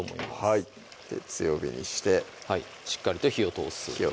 はい強火にしてはいしっかりと火を通す